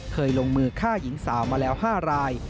เคยลงมือฆ่าหญิงสาวมาแล้ว๕ราย